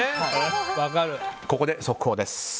ここで速報です。